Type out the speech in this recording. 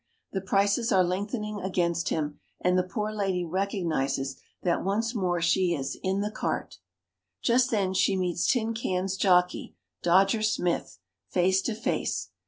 The prices are lengthening against him, and the poor lady recognises that once more she is "in the cart". Just then she meets Tin Can's jockey, Dodger Smith, face to face.